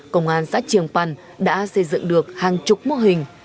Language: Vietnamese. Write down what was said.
công an xã trường pần đã xây dựng được hàng chục mô hình